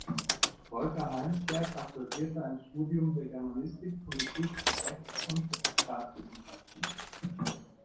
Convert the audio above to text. Volker Heinsberg absolvierte ein Studium der Germanistik, Politik-, Rechts- und Staatswissenschaften.